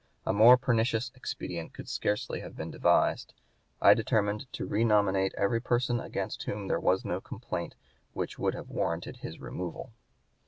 A more pernicious expedient could scarcely have been devised.... I determined to renominate every person against whom there was no complaint which would have warranted his removal."